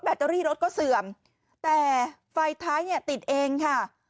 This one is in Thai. เตอรี่รถก็เสื่อมแต่ไฟท้ายเนี่ยติดเองค่ะ